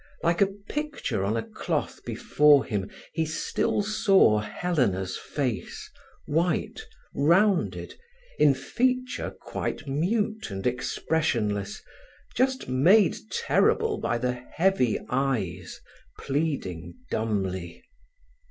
Like a picture on a cloth before him he still saw Helena's face, white, rounded, in feature quite mute and expressionless, just made terrible by the heavy eyes, pleading dumbly.